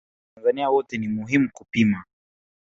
Hivyo watanzania wote ni muhimu kupima